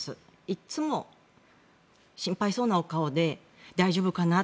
いつも心配そうなお顔で大丈夫かな？